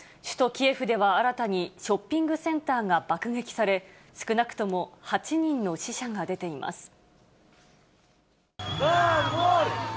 首都キエフでは新たに、ショッピングセンターが爆撃され、少なくとも８人の死者が出ています。